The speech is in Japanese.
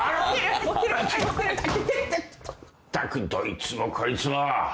ったくどいつもこいつも。